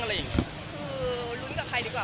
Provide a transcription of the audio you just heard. คือลุ้นกับใครดีกว่า